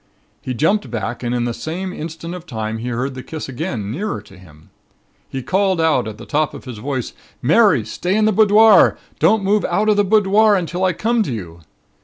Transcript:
He jumped back and in the same instant of time he heard the kiss again, nearer to him. He called out at the top of his voice: 'Mary, stay in the boudoir. Don't move out of the boudoir until I come to you.'